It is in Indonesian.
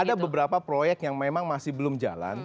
ada beberapa proyek yang memang masih belum jalan